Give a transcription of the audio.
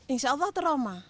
insya allah teroma